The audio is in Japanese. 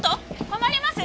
困ります！